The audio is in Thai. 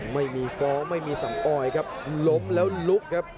ไม่มีฟ้องไม่มีสังออยครับล้มแล้วลุกครับ